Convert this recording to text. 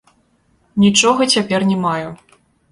Нічога цяпер не маю.